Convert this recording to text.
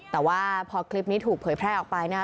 แต่ว่าพอคลิปนี้ถูกเผยแพร่ออกไปนะคะ